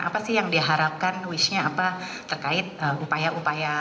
apa sih yang diharapkan wishnya apa terkait upaya upaya